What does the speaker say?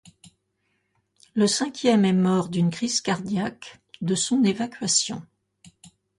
Le cinquième est mort d'une crise cardiaque de son évacuation.